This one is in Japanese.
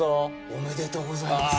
おめでとうございます。